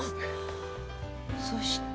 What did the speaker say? そして。